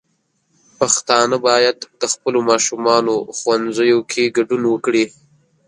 پښتانه بايد د خپلو ماشومانو ښوونځيو کې ګډون وکړي.